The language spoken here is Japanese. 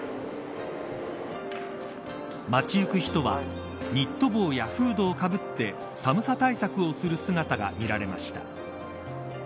街行く人はニット帽やフードをかぶって寒さ対策をする姿が見られました。